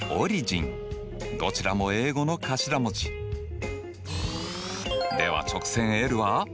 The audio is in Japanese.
どちらも英語の頭文字。では直線ｌは？